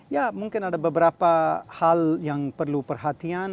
ya mungkin ada beberapa hal yang perlu perhatian